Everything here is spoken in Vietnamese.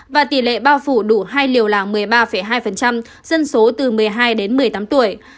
và tỷ lệ bao phủ đủ hai liều là một mươi ba hai dân số từ một mươi hai đến một mươi tám tuổi